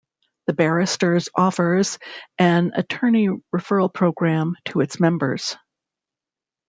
The Barristers' offers an attorney referral program to its members.